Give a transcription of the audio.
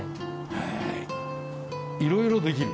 へえ色々できる。